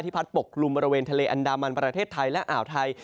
พัดปกกลุ่มบริเวณทะเลอันดามันประเทศไทยและอ่าวไทย